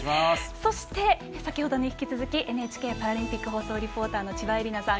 そして、先ほどに引き続きＮＨＫパラリンピック放送リポーター千葉絵里菜さん